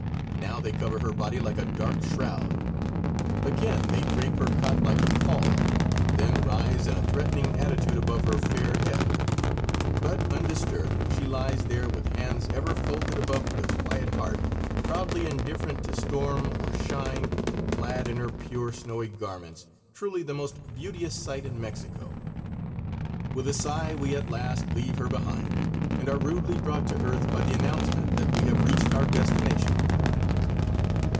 Now they cover her body like a dark shroud. Again they drape her cot like a pall, then rise in a threatening attitude above her fair head, but undisturbed she lies there with hands ever folded above the quiet heart, proudly indifferent to storm or shine, clad in her pure snowy garments, truly the most beauteous sight in Mexico. With a sigh we at last leave her behind and are rudely brought to earth by the announcement that we have reached our destination.